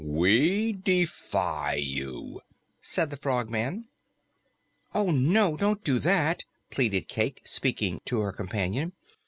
"We defy you!" said the Frogman. "Oh no, don't do that," pleaded Cayke, speaking to her companion.